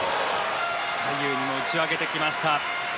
左右に打ち分けてきました。